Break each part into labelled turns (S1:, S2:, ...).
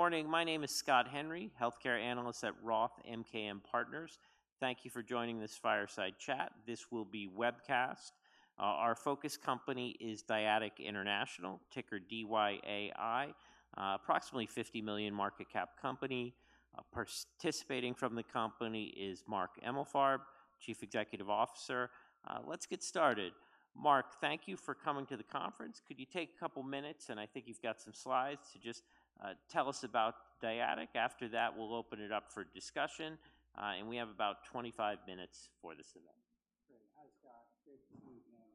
S1: Good morning. My name is Scott Henry, healthcare analyst at ROTH MKM Partners. Thank you for joining this fireside chat. This will be webcast. Our focus company is Dyadic International, ticker DYAI. Approximately $50 million market cap company. Participating from the company is Mark Emalfarb, Chief Executive Officer. Let's get started. Mark, thank you for coming to the conference. Could you take a couple minutes, and I think you've got some slides, to just tell us about Dyadic? After that, we'll open it up for discussion. We have about 25 minutes for this event.
S2: Great. Hi, Scott. Good to see you again.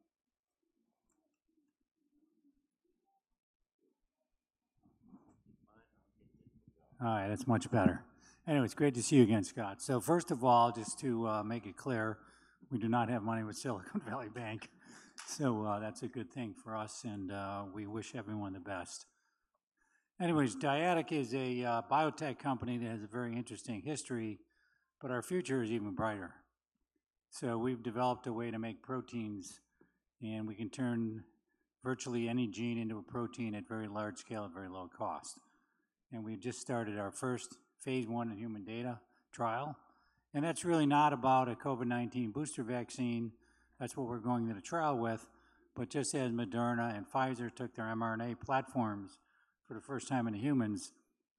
S2: All right, that's much better. Anyway, it's great to see you again, Scott. First of all, just to make it clear, we do not have money with Silicon Valley Bank, so that's a good thing for us, and we wish everyone the best. Anyways, Dyadic is a biotech company that has a very interesting history, but our future is even brighter. We've developed a way to make proteins, and we can turn virtually any gene into a protein at very large scale at very low cost. We just started our first phase I in human data trial, and that's really not about a COVID-19 booster vaccine. That's what we're going into trial with. Just as Moderna and Pfizer took their mRNA platforms for the first time into humans,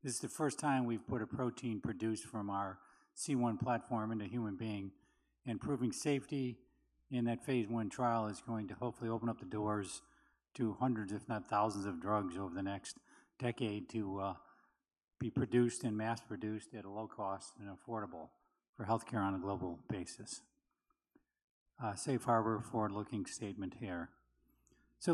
S2: this is the first time we've put a protein produced from our C1 platform into a human being, and proving safety in that Phase I trial is going to hopefully open up the doors to hundreds if not thousands of drugs over the next decade to be produced and mass-produced at a low cost and affordable for healthcare on a global basis. Safe harbor forward-looking statement here.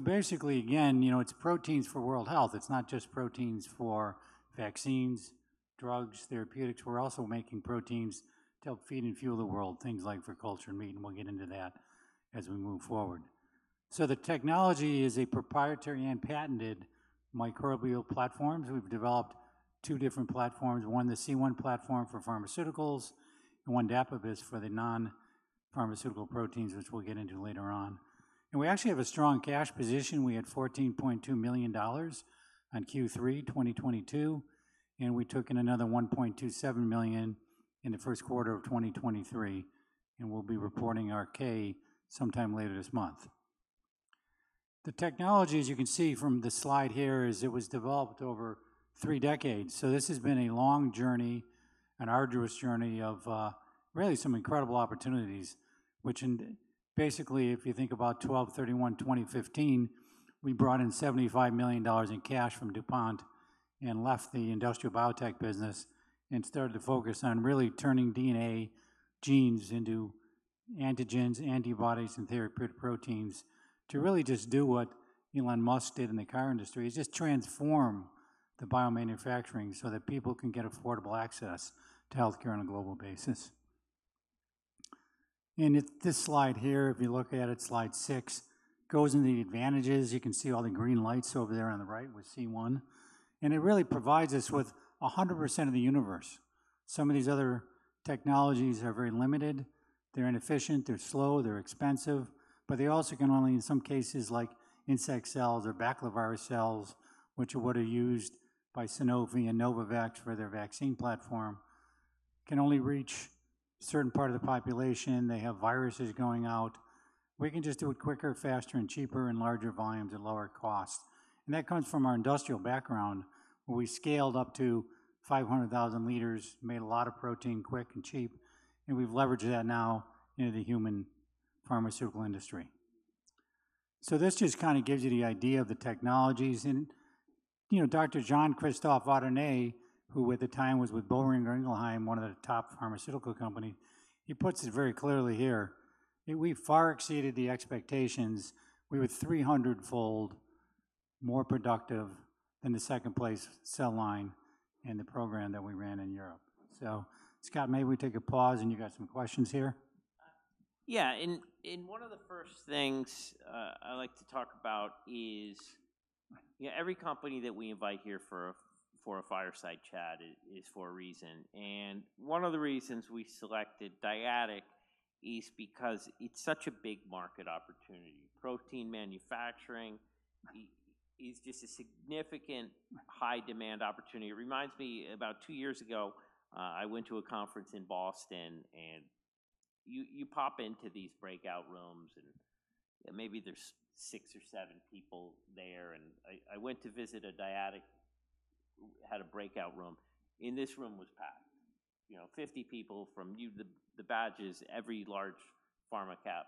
S2: Basically, again, you know, it's proteins for world health. It's not just proteins for vaccines, drugs, therapeutics. We're also making proteins to help feed and fuel the world, things like for culture and meat, and we'll get into that as we move forward. The technology is a proprietary and patented microbial platforms. We've developed two different platforms, one the C1 platform for pharmaceuticals and one Dapibus for the non-pharmaceutical proteins, which we'll get into later on. We actually have a strong cash position. We had $14.2 million on Q3 2022. We took in another $1.27 million in the first quarter of 2023. We'll be reporting our K sometime later this month. The technology, as you can see from the slide here, was developed over three decades. This has been a long journey, an arduous journey of really some incredible opportunities, basically, if you think about December 31, 2015, we brought in $75 million in cash from DuPont and left the industrial biotech business and started to focus on really turning DNA genes into antigens, antibodies, and therapeutic proteins to really just do what Elon Musk did in the car industry, is just transform the biomanufacturing so that people can get affordable access to healthcare on a global basis. This slide here, if you look at it, slide six, goes into the advantages. You can see all the green lights over there on the right with C1, and it really provides us with 100% of the universe. Some of these other technologies are very limited. They're inefficient, they're slow, they're expensive. They also can only, in some cases like insect cells or baculovirus cells, which are what are used by Sanofi and Novavax for their vaccine platform, can only reach a certain part of the population. They have viruses going out. We can just do it quicker, faster, and cheaper in larger volumes at lower cost. That comes from our industrial background, where we scaled up to 500,000 L, made a lot of protein quick and cheap, and we've leveraged that now into the human pharmaceutical industry. This just kind of gives you the idea of the technologies, and you know, Dr. Jean-Christophe Varenne, who at the time was with Boehringer Ingelheim, one of the top pharmaceutical company, he puts it very clearly here. We far exceeded the expectations. We were 300-fold more productive than the second place cell line in the program that we ran in Europe. Scott, maybe we take a pause, and you got some questions here.
S1: Yeah, and one of the first things I like to talk about is every company that we invite here for a fireside chat is for a reason, and one of the reasons we selected Dyadic is because it's such a big market opportunity. Protein manufacturing is just a significant high demand opportunity. It reminds me about two years ago, I went to a conference in Boston, and you pop into these breakout rooms, and maybe there's six or seven people there, and I went to visit a Dyadic, had a breakout room, and this room was packed. You know, 50 people from you... The badges, every large pharma cap,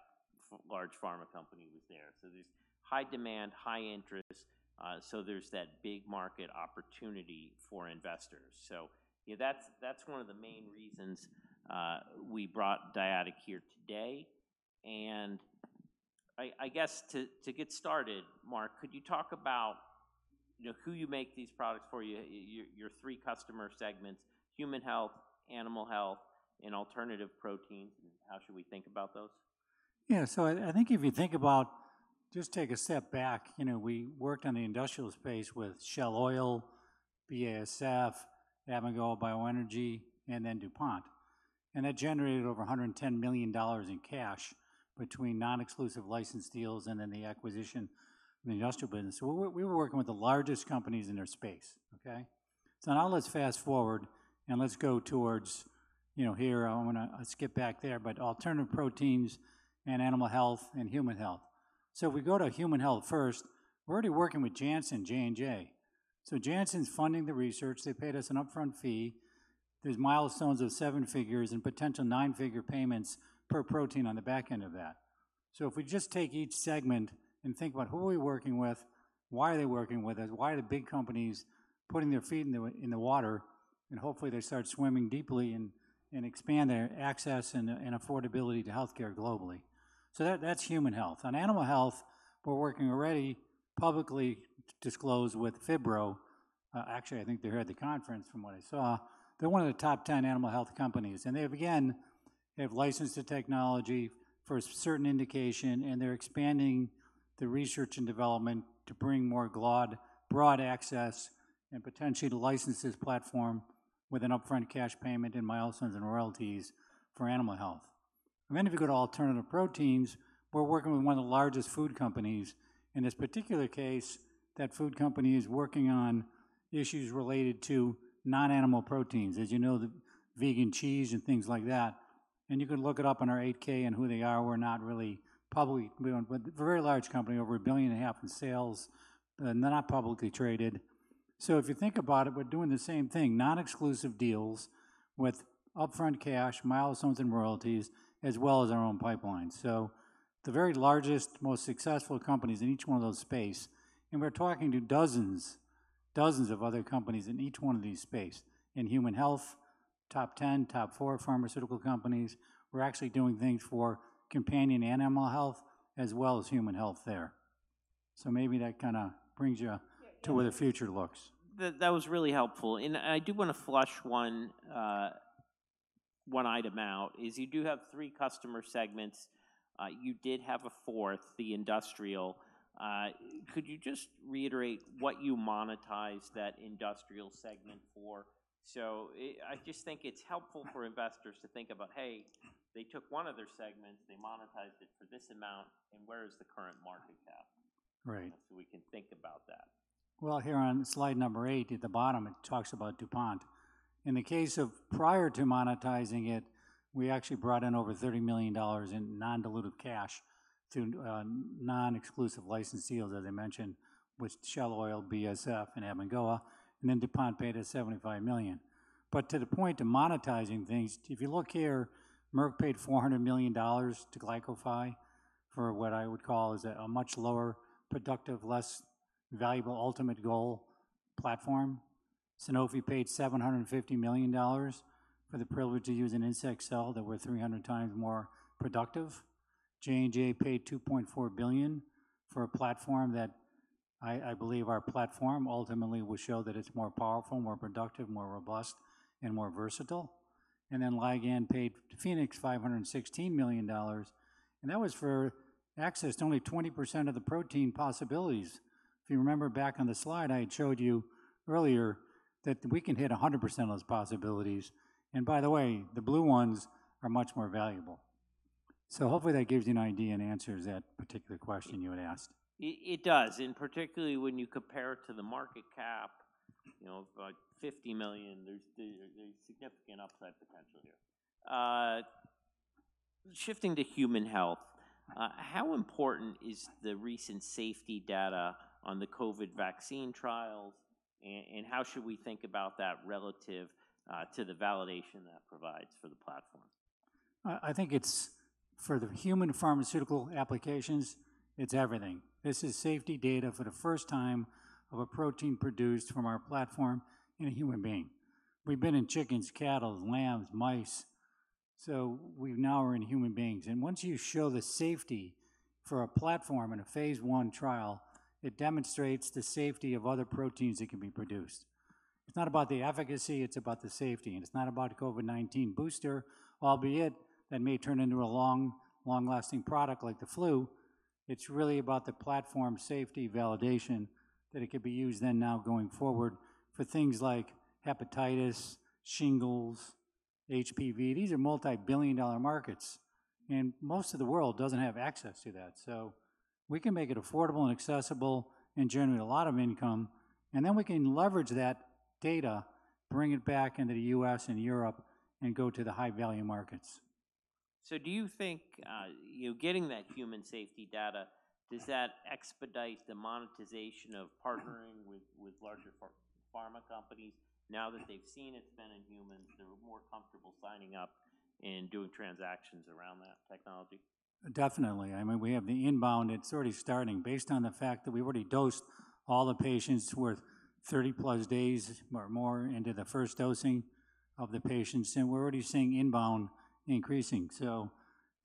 S1: large pharma company was there. There's high demand, high interest, so there's that big market opportunity for investors. That's one of the main reasons we brought Dyadic here today. I guess to get started, Mark, could you talk about, you know, who you make these products for, your three customer segments, human health, animal health, and alternative protein? How should we think about those?
S2: I think if you think about just take a step back, you know, we worked on the industrial space with Shell Oil, BASF, Abengoa Bioenergy, and DuPont. That generated over $110 million in cash between non-exclusive license deals and the acquisition in the industrial business. We were working with the largest companies in their space, okay? Now let's fast-forward and let's go towards, you know, here I want to skip back there, but alternative proteins and animal health and human health. If we go to human health first, we're already working with Janssen, J&J. Janssen's funding the research. They paid us an upfront fee. There's milestones of seven figures and potential nine-figure payments per protein on the back end of that. If we just take each segment and think about who are we working with, why are they working with us, why are the big companies putting their feet in the water, and hopefully they start swimming deeply and expand their access and affordability to healthcare globally. That's human health. On animal health, we're working already publicly disclosed with Phibro. Actually, I think they're here at the conference from what I saw. They're one of the top 10 animal health companies, and they, again, they have licensed the technology for a certain indication, and they're expanding the research and development to bring more broad access and potentially to license this platform with an upfront cash payment and milestones and royalties for animal health. Then if you go to alternative proteins, we're working with one of the largest food companies. In this particular case, that food company is working on issues related to non-animal proteins. As you know, the vegan cheese and things like that, you can look it up on our 8-K and who they are. We're not really public. We own with very large company, over $1.5 billion in sales, and they're not publicly traded. If you think about it, we're doing the same thing, non-exclusive deals with upfront cash, milestones, and royalties, as well as our own pipeline. The very largest, most successful companies in each one of those space, and we're talking to dozens of other companies in each one of these space. In human health, top 10, top four pharmaceutical companies, we're actually doing things for companion animal health as well as human health there. Maybe that kinda brings you to where the future looks.
S1: That was really helpful, I do wanna flush one item out, is you do have three customer segments. You did have a fourth, the industrial. Could you just reiterate what you monetized that industrial segment for? I just think it's helpful for investors to think about, "Hey, they took one of their segments, they monetized it for this amount, and where is the current market cap?
S2: Right.
S1: We can think about that.
S2: Here on slide number eight at the bottom, it talks about DuPont. In the case of prior to monetizing it, we actually brought in over $30 million in non-dilutive cash through non-exclusive license deals, as I mentioned, with Shell Oil, BASF, and Abengoa, and then DuPont paid us $75 million. To the point of monetizing things, if you look here, Merck paid $400 million to GlycoFi for what I would call is a much lower productive, less valuable ultimate goal platform. Sanofi paid $750 million for the privilege to use an insect cell that were 300x more productive. J&J paid $2.4 billion for a platform that I believe our platform ultimately will show that it's more powerful, more productive, more robust, and more versatile. Ligand paid to Pfenex $516 million, and that was for access to only 20% of the protein possibilities. If you remember back on the slide I had showed you earlier that we can hit 100% of those possibilities, and by the way, the blue ones are much more valuable. Hopefully that gives you an idea and answers that particular question you had asked.
S1: It does, and particularly when you compare it to the market cap, you know, of like $50 million, there's significant upside potential here. Shifting to human health, how important is the recent safety data on the COVID vaccine trials, and how should we think about that relative to the validation that provides for the platforms?
S2: I think it's for the human pharmaceutical applications, it's everything. This is safety data for the first time of a protein produced from our platform in a human being. We've been in chickens, cattle, lambs, mice, so we now are in human beings. Once you show the safety for a platform in a Phase I trial, it demonstrates the safety of other proteins that can be produced. It's not about the efficacy, it's about the safety, and it's not about COVID-19 booster, albeit that may turn into a long, long-lasting product like the flu. It's really about the platform safety validation that it could be used then now going forward for things like hepatitis, shingles, HPV. These are multi-billion dollar markets, and most of the world doesn't have access to that. We can make it affordable and accessible and generate a lot of income, and then we can leverage that data, bring it back into the U.S. and Europe, and go to the high-value markets.
S1: Do you think, you know, getting that human safety data, does that expedite the monetization of partnering with larger pharma companies now that they've seen it's been in humans, they're more comfortable signing up and doing transactions around that technology?
S2: Definitely. I mean, we have the inbound. It's already starting based on the fact that we already dosed all the patients who are 30-plus days or more into the first dosing of the patients, and we're already seeing inbound increasing.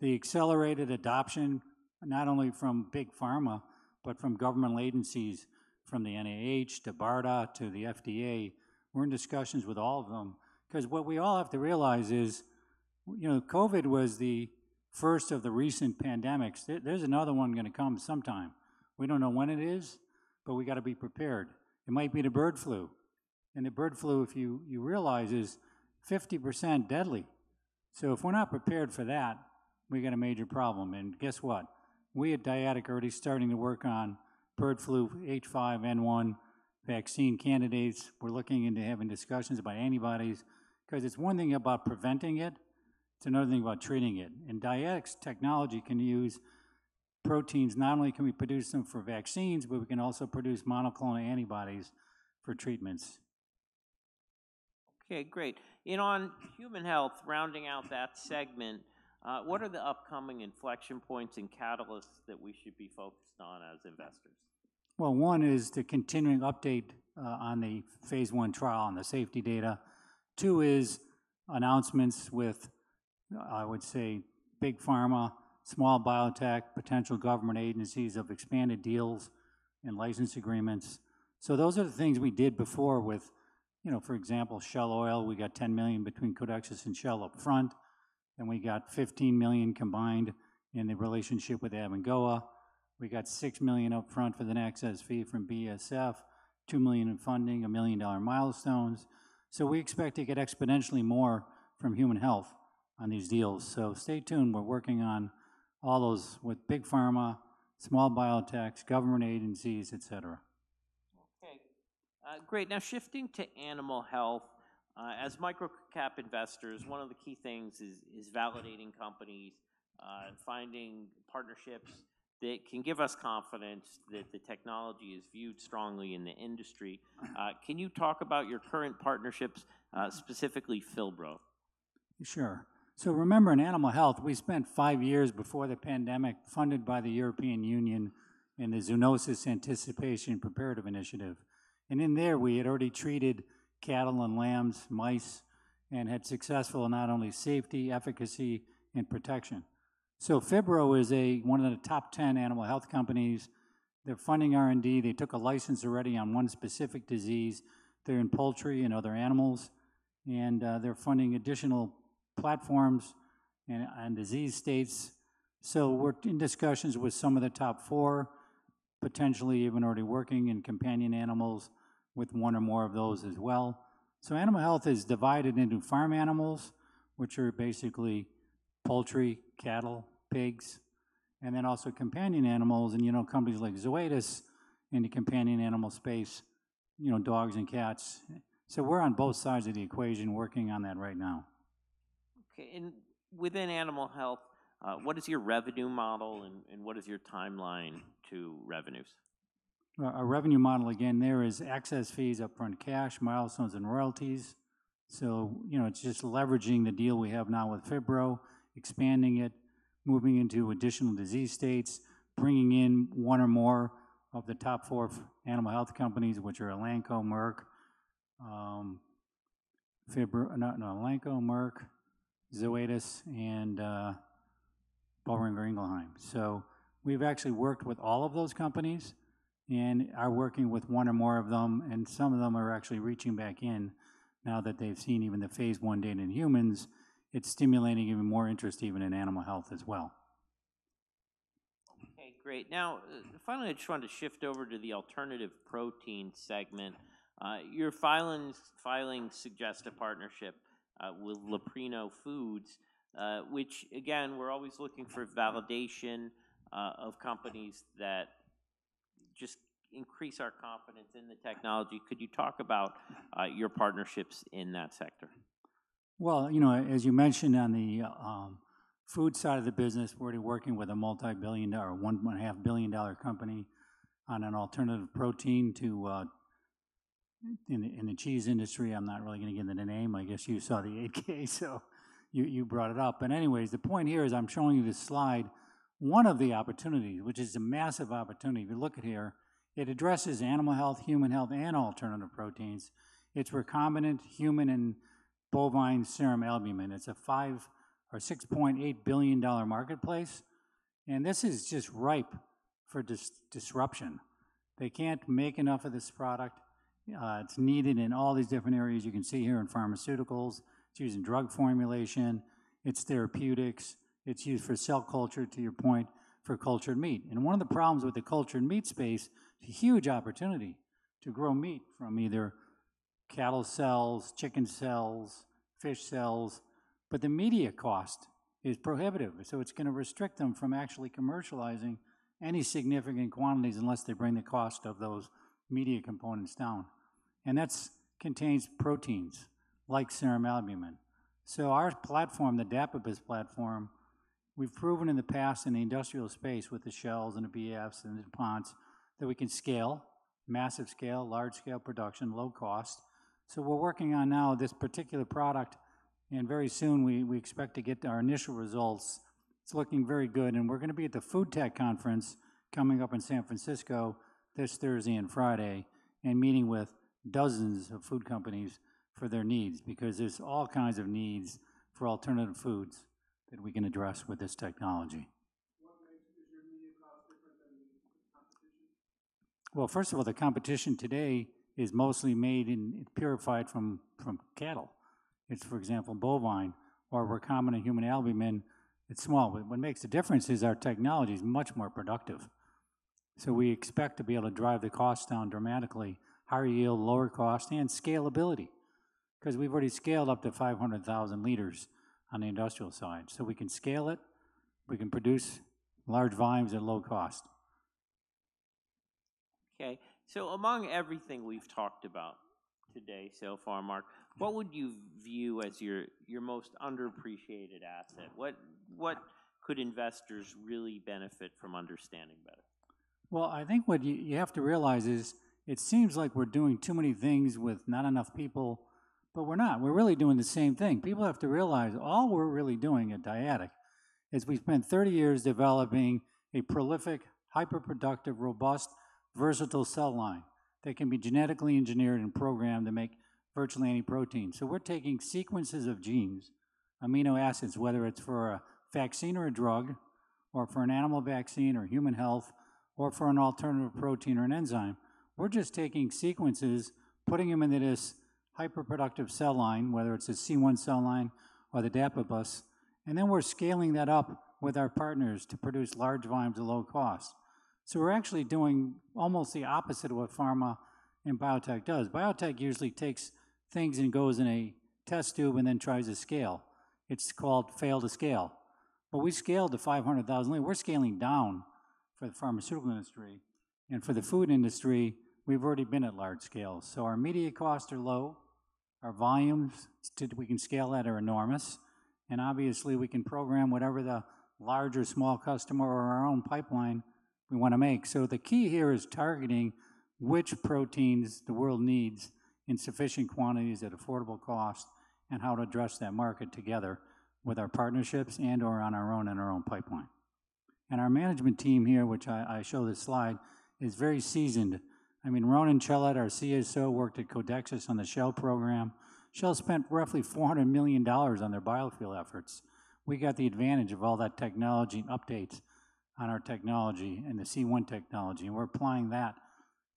S2: The accelerated adoption, not only from big pharma, but from government agencies, from the NIH to BARDA to the FDA, we're in discussions with all of them. 'Cause what we all have to realize is, you know, COVID was the first of the recent pandemics. There's another one gonna come sometime. We don't know when it is. We gotta be prepared. It might be the bird flu, and the bird flu, if you realize, is 50% deadly. If we're not prepared for that, we got a major problem, and guess what? We at Dyadic are already starting to work on bird flu H5N1 vaccine candidates. We're looking into having discussions about antibodies, 'cause it's one thing about preventing it's another thing about treating it. Dyadic's technology can use proteins. Not only can we produce them for vaccines, but we can also produce monoclonal antibodies for treatments.
S1: Okay, great. On human health, rounding out that segment, what are the upcoming inflection points and catalysts that we should be focused on as investors?
S2: One is the continuing update on the Phase I trial and the safety data. Two is announcements with, I would say, big pharma, small biotech, potential government agencies of expanded deals and license agreements. Those are the things we did before with, you know, for example, Shell Oil, we got $10 million between Codexis and Shell upfront, and we got $15 million combined in the relationship with Abengoa. We got $6 million upfront for the next access fee from BASF, $2 million in funding, $1 million-dollar milestones. We expect to get exponentially more from human health on these deals. Stay tuned. We're working on all those with big pharma, small biotechs, government agencies, et cetera.
S1: Okay. great. Shifting to animal health, as micro-cap investors, one of the key things is validating companies, and finding partnerships that can give us confidence that the technology is viewed strongly in the industry.
S2: Mm-hmm.
S1: Can you talk about your current partnerships, specifically phibro?
S2: Sure. Remember, in animal health, we spent five years before the pandemic funded by the European Union in the Zoonosis Anticipation and Preparedness Initiative. In there, we had already treated cattle and lambs, mice, and had successful not only safety, efficacy, and protection. Phibro is one of the top 10 animal health companies. They're funding R&D. They took a license already on one specific disease. They're in poultry and other animals, and they're funding additional platforms and disease states. We're in discussions with some of the top four, potentially even already working in companion animals with one or more of those as well. Animal health is divided into farm animals, which are basically poultry, cattle, pigs, and then also companion animals, and, you know, companies like Zoetis in the companion animal space, you know, dogs and cats. We're on both sides of the equation working on that right now.
S1: Okay. Within animal health, what is your revenue model and what is your timeline to revenues?
S2: Our revenue model, again, there is access fees, upfront cash, milestones, and royalties. You know, it's just leveraging the deal we have now with phibro, expanding it, moving into additional disease states, bringing in one or more of the top four animal health companies, which are Elanco, Merck, Zoetis, and Boehringer Ingelheim. We've actually worked with all of those companies and are working with one or more of them, and some of them are actually reaching back in now that they've seen even the phase I data in humans. It's stimulating even more interest even in animal health as well.
S1: Okay, great. Finally, I just wanted to shift over to the alternative protein segment. Your filings, filing suggests a partnership with Leprino Foods, which again, we're always looking for validation of companies that just increase our confidence in the technology. Could you talk about your partnerships in that sector?
S2: Well, you know, as you mentioned on the food side of the business, we're already working with a multi-billion dollar or $1.5 billion company on an alternative protein to in the cheese industry. I'm not really gonna give them the name. I guess you saw the 8-K, so you brought it up. Anyways, the point here is I'm showing you this slide. One of the opportunities, which is a massive opportunity, if you look at here, it addresses animal health, human health, and alternative proteins. It's recombinant human and bovine serum albumin. It's a $5 billion or $6.8 billion marketplace, and this is just ripe for disruption. They can't make enough of this product. It's needed in all these different areas you can see here in pharmaceuticals. It's used in drug formulation. It's therapeutics. It's used for cell culture, to your point, for cultured meat. One of the problems with the cultured meat space, it's a huge opportunity to grow meat from either cattle cells, chicken cells, fish cells, the media cost is prohibitive, it's gonna restrict them from actually commercializing any significant quantities unless they bring the cost of those media components down. That's contains proteins like serum albumin. Our platform, the Dapibus platform, we've proven in the past in the industrial space with the Shells and the BASF and the Ponce that we can scale, massive scale, large scale production, low cost. We're working on now this particular product, and very soon we expect to get our initial results. It's looking very good, we're going to be at the Food Tech Conference coming up in San Francisco this Thursday and Friday and meeting with dozens of food companies for their needs because there's all kinds of needs for alternative foods that we can address with this technology.
S1: Is your media cost different than the competition?
S2: Well, first of all, the competition today is mostly made and purified from cattle. It's for example, bovine or recombinant human albumin, it's small. What makes the difference is our technology is much more productive. We expect to be able to drive the costs down dramatically, higher yield, lower cost, and scalability. We've already scaled up to 500,000 L on the industrial side. We can scale it, we can produce large volumes at low cost.
S1: Okay. Among everything we've talked about today so far, Mark, what would you view as your most underappreciated asset? What could investors really benefit from understanding better?
S2: I think what you have to realize is it seems like we're doing too many things with not enough people, but we're not. We're really doing the same thing. People have to realize all we're really doing at Dyadic is we've spent 30 years developing a prolific, hyper-productive, robust, versatile cell line that can be genetically engineered and programmed to make virtually any protein. We're taking sequences of genes, amino acids, whether it's for a vaccine or a drug, or for an animal vaccine or human health, or for an alternative protein or an enzyme. We're just taking sequences, putting them into this hyper-productive cell line, whether it's a C1 cell line or the Dapibus, and then we're scaling that up with our partners to produce large volumes at low cost. We're actually doing almost the opposite of what pharma and biotech does. Biotech usually takes things and goes in a test tube and then tries to scale. It's called fail to scale. We scaled to 500,000 L. We're scaling down for the pharmaceutical industry, and for the food industry, we've already been at large scale. Our media costs are low, our volumes we can scale that are enormous, and obviously, we can program whatever the large or small customer or our own pipeline we wanna make. The key here is targeting which proteins the world needs in sufficient quantities at affordable cost and how to address that market together with our partnerships and/or on our own in our own pipeline. Our management team here, which I show this slide, is very seasoned. I mean, Ronen Tchelet, our CSO, worked at Codexis on the Shell program. Shell spent roughly $400 million on their biofuel efforts. We got the advantage of all that technology and updates on our technology and the C1 technology, and we're applying that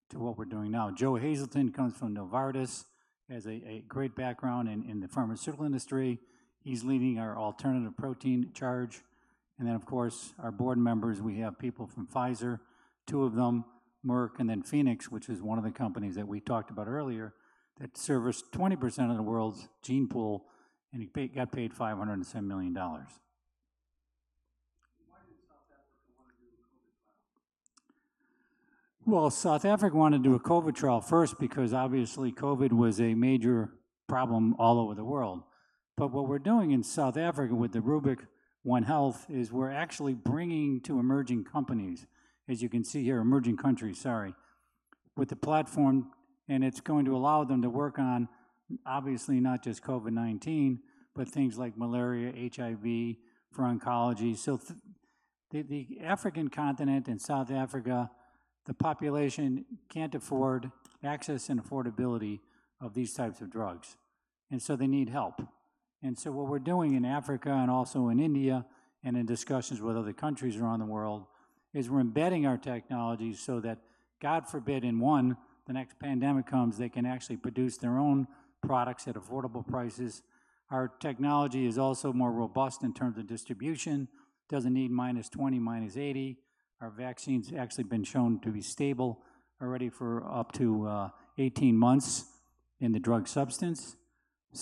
S2: to what we're doing now. Joe Hazelton comes from Novartis, has a great background in the pharmaceutical industry. He's leading our alternative protein charge. Of course, our board members, we have people from Pfizer, two of them, Merck, and Pfenex, which is one of the companies that we talked about earlier, that service 20% of the world's gene pool, and he got paid $507 million.
S3: Why did South Africa want to do the COVID trial?
S2: South Africa wanted to do a COVID trial first because obviously COVID was a major problem all over the world. What we're doing in South Africa with the Rubic One Health is we're actually bringing to emerging companies, as you can see here, emerging countries, sorry, with the platform, and it's going to allow them to work on obviously not just COVID-19, but things like malaria, HIV, for oncology. The African continent and South Africa, the population can't afford access and affordability of these types of drugs, and so they need help. What we're doing in Africa and also in India and in discussions with other countries around the world is we're embedding our technology so that God forbid, in one, the next pandemic comes, they can actually produce their own products at affordable prices. Our technology is also more robust in terms of distribution, doesn't need -20, -80. Our vaccine's actually been shown to be stable already for up to 18 months in the drug substance.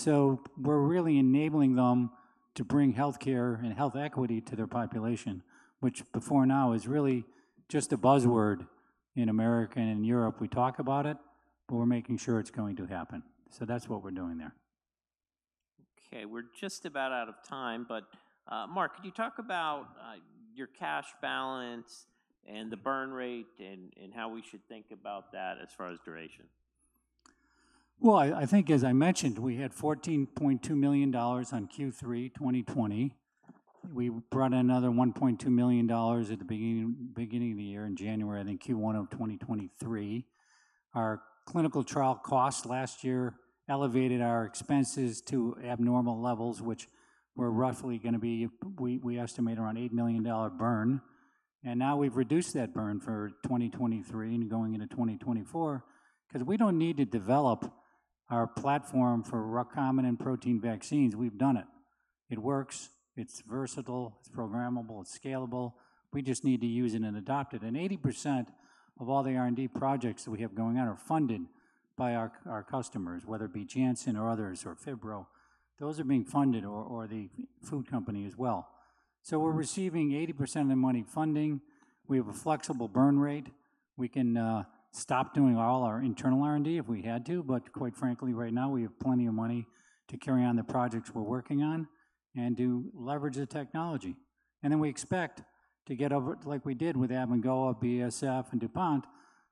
S2: We're really enabling them to bring healthcare and health equity to their population, which before now is really just a buzzword in America and Europe. We talk about it, but we're making sure it's going to happen. That's what we're doing there.
S1: Okay, we're just about out of time. Mark, could you talk about your cash balance and the burn rate and how we should think about that as far as duration?
S2: Well, I think as I mentioned, we had $14.2 million on Q3 2020. We brought in another $1.2 million at the beginning of the year in January, I think Q1 of 2023. Our clinical trial cost last year elevated our expenses to abnormal levels, which were roughly gonna be we estimate around $8 million burn. Now we've reduced that burn for 2023 and going into 2024 'cause we don't need to develop our platform for recombinant protein vaccines. We've done it. It works, it's versatile, it's programmable, it's scalable. We just need to use it and adopt it. 80% of all the R&D projects that we have going on are funded by our customers, whether it be Janssen or others or phibro. Those are being funded or the food company as well. We're receiving 80% of the money funding. We have a flexible burn rate. We can stop doing all our internal R&D if we had to, but quite frankly, right now we have plenty of money to carry on the projects we're working on and to leverage the technology. Then we expect to get over, like we did with Abengoa, BASF, and DuPont,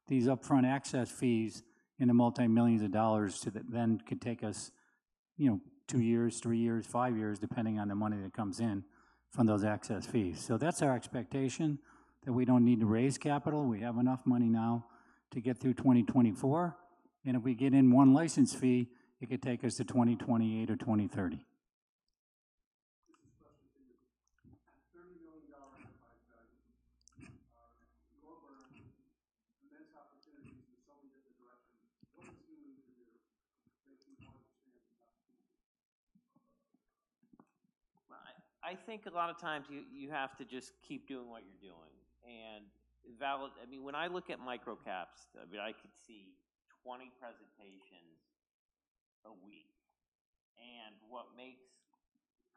S2: these upfront access fees in the multimillions of dollars so that then could take us, you know, two years, three years, five years, depending on the money that comes in from those access fees. That's our expectation that we don't need to raise capital. We have enough money now to get through 2024, and if we get in one license fee, it could take us to 2028 or 2030.
S3: This is a question for you. $30 million in price tag, low burn rate, immense opportunities with so many different directions. What does Dyadic need to do to make people understand the opportunity?
S1: Well, I think a lot of times you have to just keep doing what you're doing. I mean, when I look at microcaps, I mean, I could see 20 presentations a week, what makes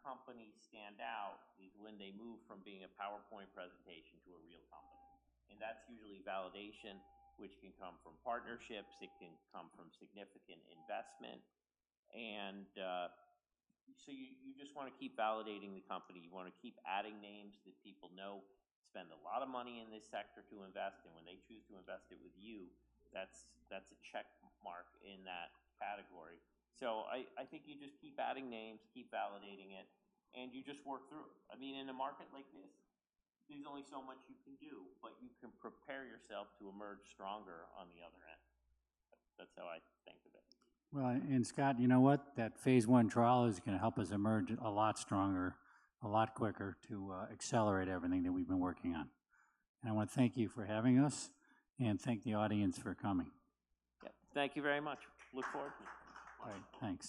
S1: companies stand out is when they move from being a PowerPoint presentation to a real company. That's usually validation, which can come from partnerships, it can come from significant investment. So you just wanna keep validating the company. You wanna keep adding names that people know spend a lot of money in this sector to invest. When they choose to invest it with you, that's a check mark in that category. I think you just keep adding names, keep validating it, and you just work through. I mean, in a market like this, there's only so much you can do, but you can prepare yourself to emerge stronger on the other end. That's how I think of it.
S2: Well, Scott, you know what? That phase I trial is going to help us emerge a lot stronger, a lot quicker to accelerate everything that we've been working on. I want to thank you for having us and thank the audience for coming.
S1: Yep. Thank you very much. Look forward to it.
S2: All right. Thanks.